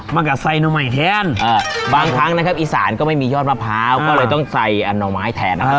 มากับไซโนใหม่แทนบางครั้งนะครับอีสานก็ไม่มียอดมะพร้าวก็เลยต้องใส่อันโนไม้แทนนะครับ